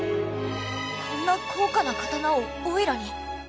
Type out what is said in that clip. こんな高価な刀をおいらに？